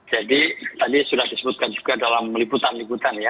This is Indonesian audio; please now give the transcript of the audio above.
tadi sudah disebutkan juga dalam liputan liputan ya